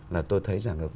là tôi thấy rằng là